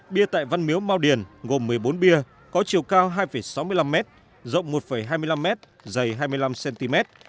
bia tại văn miếu mau điền gồm một mươi bốn bia có chiều cao hai sáu mươi năm m rộng một hai mươi năm m dày hai mươi năm cm